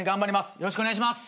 よろしくお願いします。